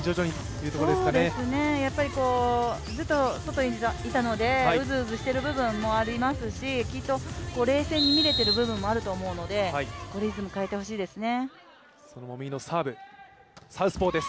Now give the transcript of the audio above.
そうですね、ずっと外にいたのでうずうずしている部分もありますしきっと、冷静に見れている部分もあると思うので、リズムを変えてほしいですね。